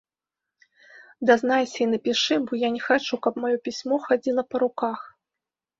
Дазнайся і напішы, бо я не хачу, каб маё пісьмо хадзіла па руках.